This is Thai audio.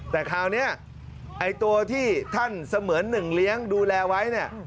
แต่คราวนี้ไอ้ตัวที่ท่านเสมือนหนึ่งเลี้ยงดูแลไว้เนี่ย